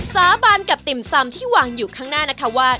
สาบานกับติ่มซำที่วางอยู่ข้างหน้านะคะว่า